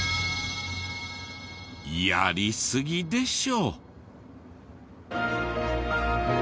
やりすぎでしょ。